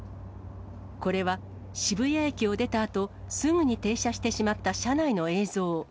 これは渋谷駅を出たあと、すぐに停車してしまった車内の映像。